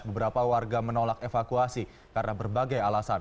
beberapa warga menolak evakuasi karena berbagai alasan